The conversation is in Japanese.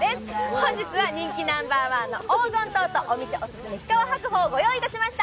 本日は人気ナンバーワンの黄金桃とお店オススメの日川白鳳をご用意しました。